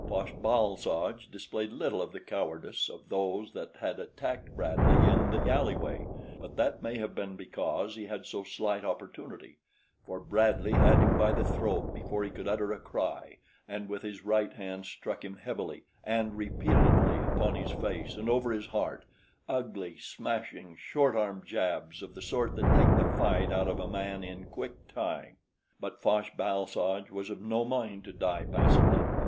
Fosh bal soj displayed little of the cowardice of those that had attacked Bradley in the alleyway, but that may have been because he had so slight opportunity, for Bradley had him by the throat before he could utter a cry and with his right hand struck him heavily and repeatedly upon his face and over his heart ugly, smashing, short arm jabs of the sort that take the fight out of a man in quick time. But Fosh bal soj was of no mind to die passively.